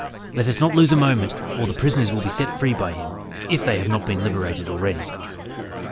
Let us not lose a moment, or the prisoners will be set free by him, if they have not been liberated already."